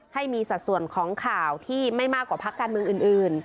ให้มีสัดส่วนของข่าวที่ไม่มากกว่าพักการเมืองอื่น